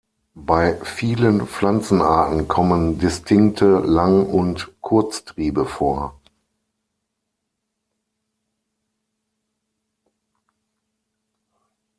Bei vielen Pflanzenarten kommen distinkte Lang- und Kurztriebe vor.